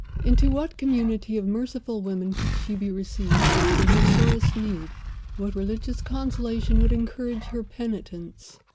Into what community of merciful women could she be received, in her sorest need? What religious consolations would encourage her penitence?